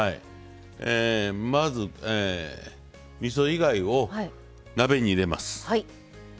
まず、みそ以外を鍋に入れます。